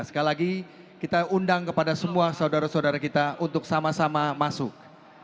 sekali lagi kita undang kepada semua saudara saudara kita untuk sama sama masuk